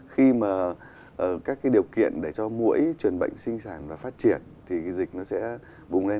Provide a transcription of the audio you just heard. khi mà các cái điều kiện để cho mũi truyền bệnh sinh sản và phát triển thì dịch nó sẽ bùng lên